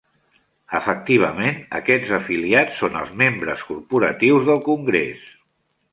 Efectivament, aquests afiliats són els membres corporatius del congrés.